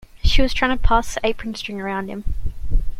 She was trying to pass the apron string around him.